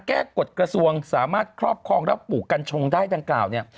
กฎกระทรวงสามารถครอบครองรับปลูกกัญชงได้ดังกล่าวเนี่ย